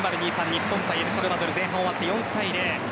日本対エルサルバドル前半終わって４対０。